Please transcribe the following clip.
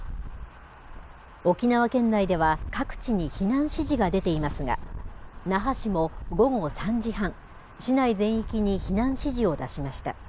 沖縄県内では、各地に避難指示が出ていますが、那覇市も午後３時半、市内全域に避難指示を出しました。